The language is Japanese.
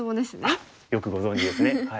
あっよくご存じですね。